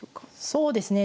そうですね。